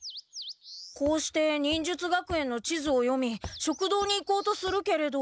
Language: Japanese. こうして忍術学園の地図を読み食堂に行こうとするけれど。